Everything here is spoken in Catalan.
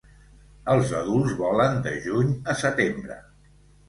Els adults volen de juny a setembre.